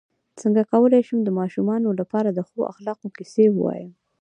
څنګه کولی شم د ماشومانو لپاره د ښو اخلاقو کیسې ووایم